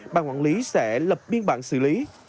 bà quản lý sẽ lập biên bản xử lý